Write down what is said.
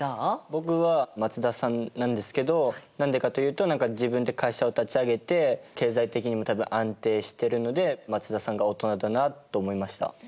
僕は松田さんなんですけど何でかというと何か自分で会社を立ち上げて経済的にも多分安定してるので松田さんがオトナだなと思いました。